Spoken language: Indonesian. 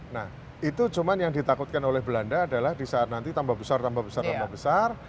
nah itu cuma yang ditakutkan oleh belanda adalah di saat nanti tambah besar tambah besar tambah besar